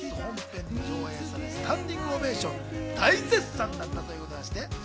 本編が上映され、スタンディングオーベーション大絶賛だったということです。